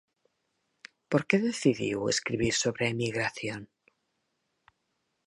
Por que decidiu escribir sobre a emigración?